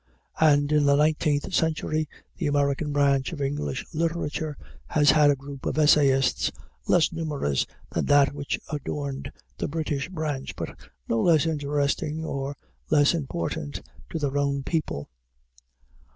And in the nineteenth century the American branch of English literature has had a group of essayists less numerous than that which adorned the British branch, but not less interesting or less important to their own people.